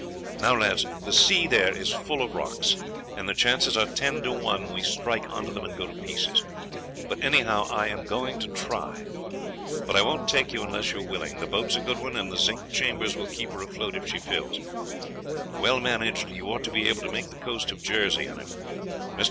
Now, lads, the sea there is full of rocks, and the chances are ten to one we strike on to them and go to pieces; but, anyhow, I am going to try; but I won't take you unless you are willing. The boat is a good one, and the zinc chambers will keep her afloat if she fills; well managed, you ought to be able to make the coast of Jersey in her. Mr.